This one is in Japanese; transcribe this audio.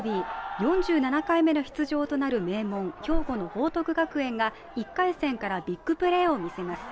４７回目の出場となる名門、兵庫の報徳学園が１回戦からビッグプレーを見せます